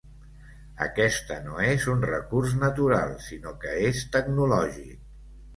Aquesta no és un recurs natural sinó que és tecnològic.